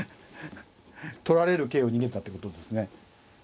取られる桂を逃げたってことですね。